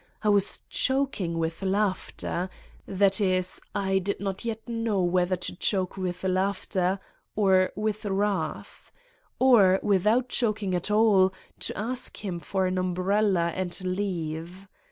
I was choking with laughter ... that is I did not yet know 114 Satan's Diary whether to choke with laughter or with wrath. Or, without choking at all, to ask him for an umbrella and leave.